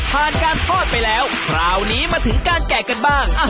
การทอดไปแล้วคราวนี้มาถึงการแกะกันบ้าง